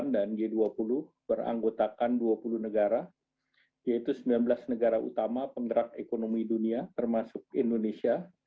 dan g dua puluh beranggotakan dua puluh negara yaitu sembilan belas negara utama penggerak ekonomi dunia termasuk indonesia